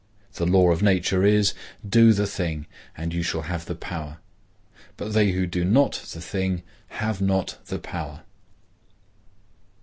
The law of nature is, Do the thing, and you shall have the Power; but they who do not the thing have not the power.